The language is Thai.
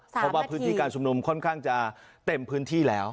เพราะว่าพื้นที่การชุมนุมค่อนข้างจะเต็มพื้นที่แล้ว